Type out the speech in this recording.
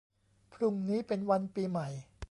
พรุ่งนี้เป็นวันปีใหม่